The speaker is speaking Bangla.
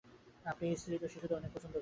আপনার স্ত্রী তো শিশুদের অনেক পছন্দ করে।